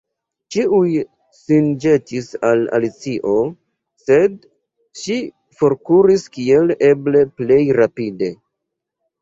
Ĉiuj sin ĵetis al Alicio, sed ŝi forkuris kiel eble plej rapide.